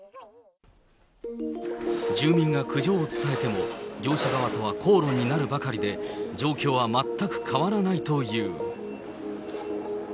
住民が苦情を伝えても、業者側とは口論になるばかりで、状況は全く変わらないという。